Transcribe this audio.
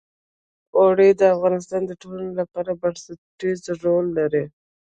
اوړي د افغانستان د ټولنې لپاره بنسټيز رول لري.